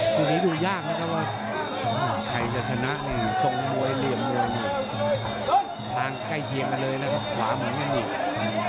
ตอนนี้ดูยากนะครับว่าใครจะสนับสงมวยเหลี่ยมมวยทางใกล้เฮียมเลยนะครับขวามเหมือนกันอีก